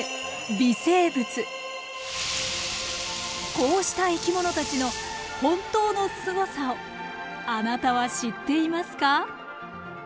こうした生き物たちの本当のすごさをあなたは知っていますか？